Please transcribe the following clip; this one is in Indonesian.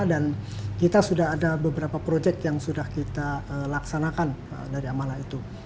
dan kita sudah ada beberapa projek yang sudah kita laksanakan dari amalannya